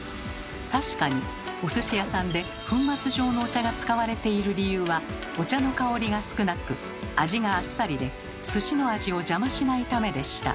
確かにお寿司屋さんで粉末状のお茶が使われている理由はお茶の香りが少なく味があっさりで寿司の味を邪魔しないためでした。